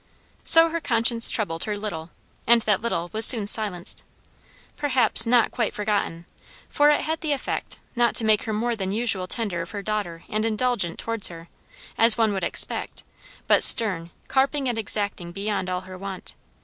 So her conscience troubled her little, and that little was soon silenced. Perhaps not quite forgotten; for it had the effect, not to make her more than usual tender of her daughter and indulgent towards her, as one would expect, but stern, carping and exacting beyond all her wont.